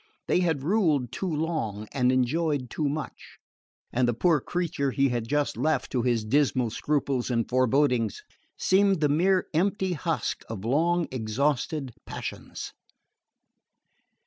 They had ruled too long and enjoyed too much; and the poor creature he had just left to his dismal scruples and forebodings seemed the mere empty husk of long exhausted passions.